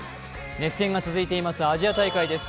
熱戦が続いていますアジア大会です。